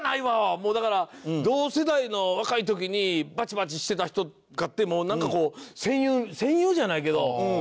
もうだから同世代の若い時にバチバチしてた人かてなんかこう戦友戦友じゃないけど。